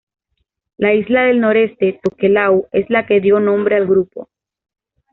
La isla del noreste, Tokelau, es la que dio nombre al grupo.